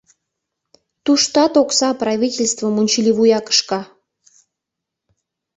Туштат окса правительствым унчыливуя кышка.